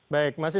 baik mas isner